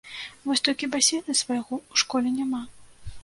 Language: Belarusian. Вось толькі басейна свайго ў школе няма.